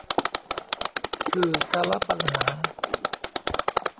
ขื่อกะละปังหา